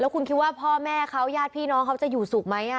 คุณคิดว่าพ่อแม่เขาญาติพี่น้องเขาจะอยู่สุขไหม